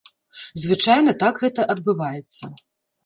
Звычайна так гэта адбываецца.